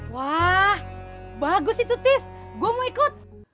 wah bagus itu tis gue mau ikut